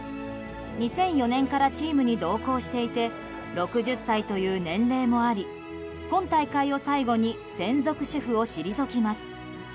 ２００４年からチームに同行していて６０歳という年齢もあり今大会を最後に専属シェフを退きます。